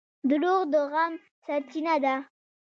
• دروغ د غم سرچینه ده.